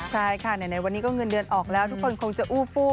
ใช่ค่ะไหนวันนี้ก็เงินเดือนออกแล้วทุกคนคงจะอู้ฟู้